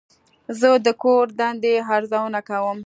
زه د کور دندې ارزونه کوم.